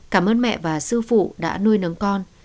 cảm ơn mẹ và sư phụ đã nuôi nấng con